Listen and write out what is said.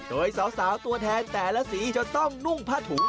โดยสาวตัวแทนแต่ละสีจะต้องนุ่งผ้าถุง